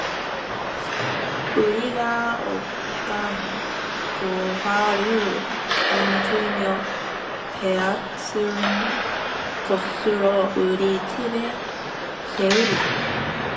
우리가 온갖 보화를 얻으며 빼앗은 것으로 우리 집에 채우리니